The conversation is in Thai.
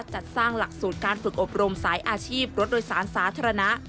จัดสร้างหลักสูตรการฝึกอบรมสายอาชีพรถโดยสารสาธารณะ